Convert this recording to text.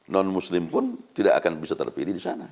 non muslim pun tidak akan bisa terpilih disana